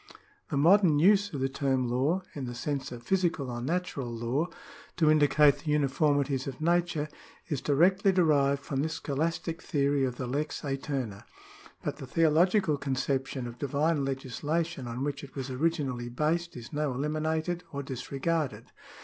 ^ The modern use of the term law, in the sense of physical or natural law, to indicate the uniformities of nature, is directly derived from this scholastic theory of the lex aeterna ; but the theological conception of divine legislation on which it was originally based is now eliminated or disregarded.